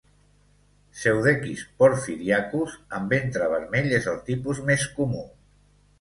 "Pseudechis porphyriacus" amb ventre vermell és el tipus més comú.